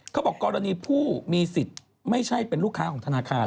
กรณีผู้มีสิทธิ์ไม่ใช่เป็นลูกค้าของธนาคาร